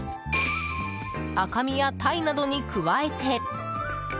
赤身やタイなどに加えて。